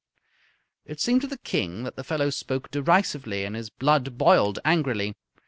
It seemed to the King that the fellow spoke derisively, and his blood boiled angrily.